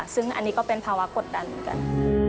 ซึ่งอันนี้ก็เป็นภาวะกดดันเหมือนกัน